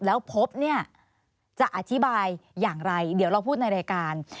แล้วพบเนี่ยจะอธิบายอย่างไรเดี๋ยวเราพูดในรายการ